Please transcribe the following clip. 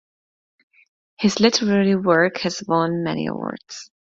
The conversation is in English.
His literary work has won many awards.